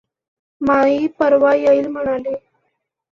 माई परवा येईल म्हणाली.